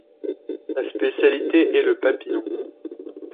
Sa spécialité est le papillon.